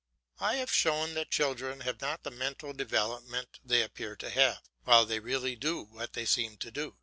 I have shown that children have not the mental development they appear to have, while they really do what they seem to do.